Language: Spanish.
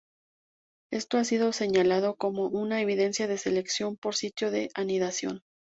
Esto ha sido señalado como una evidencia de selección por sitio de anidación.